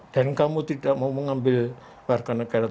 dan kamu tidak mau mengambil warga negara tiko